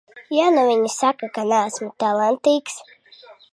Ja nu viņi saka, ka neesmu talantīgs?